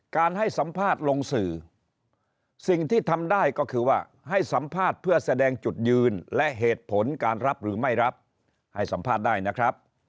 การให้สัมภาษณ์ลงสื่อสิ่งที่ทำได้ก็คือว่าให้สัมภาษณ์เพื่อแสดงจุดยืนและเหตุผลการรับหรือไม่รับให้สัมภาษณ์ได้นะครับ